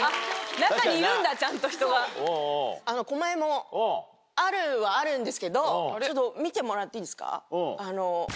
中にいるんだちゃんと人が。はあるんですけどちょっと見てもらっていいですか？